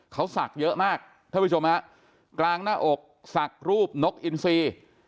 เขาสักเยอะมากเพื่อผู้ชมนะครับกลางหน้าอกสักรูปนกอินซี